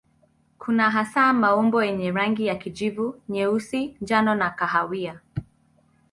Kuna hasa maumbo yenye rangi za kijivu, nyeusi, njano na kahawia.